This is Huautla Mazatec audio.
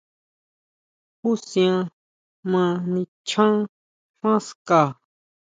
¿Jusian ma nichán xán ska?